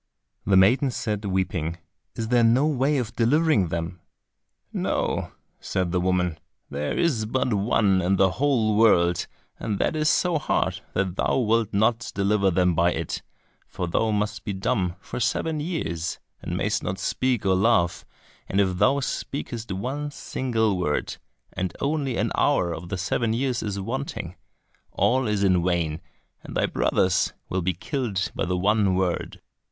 The maiden said, weeping, "Is there no way of delivering them?" "No," said the woman, "there is but one in the whole world, and that is so hard that thou wilt not deliver them by it, for thou must be dumb for seven years, and mayst not speak or laugh, and if thou speakest one single word, and only an hour of the seven years is wanting, all is in vain, and thy brothers will be killed by the one word."